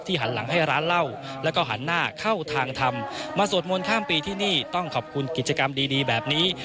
หันหลังให้ร้านเหล้าแล้วก็หันหน้าเข้าทางทำมาสวดมนต์ข้ามปีที่นี่ต้องขอบคุณกิจกรรมดีแบบนี้